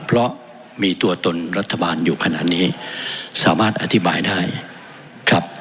เพราะมีตัวตนรัฐบาลอยู่ขนาดนี้สามารถอธิบายได้ครับ